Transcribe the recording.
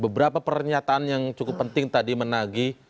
beberapa pernyataan yang cukup penting tadi menagi